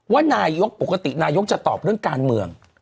ว่านายกปกตินายกจะตอบเรื่องการเมือง